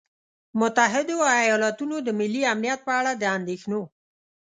متحدو ایالتونو د ملي امنیت په اړه د اندېښنو